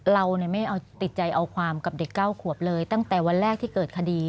เราไม่เอาติดใจเอาความกับเด็ก๙ขวบเลยตั้งแต่วันแรกที่เกิดคดี